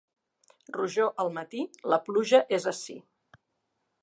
Rojor al matí, la pluja és ací.